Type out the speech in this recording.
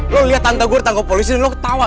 lo liat tante gue tangkap polisi dan lo ketawa